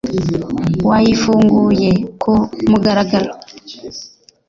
wayifunguye ku mugaragaro